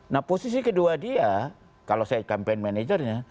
nah posisi kedua dia kalau saya campaign managernya